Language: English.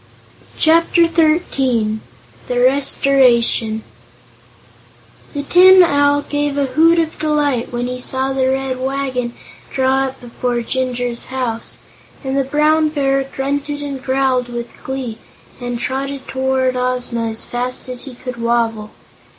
Chapter Thirteen The Restoration The Tin Owl gave a hoot of delight when he saw the Red Wagon draw up before Jinjur's house, and the Brown Bear grunted and growled with glee and trotted toward Ozma as fast as he could wobble.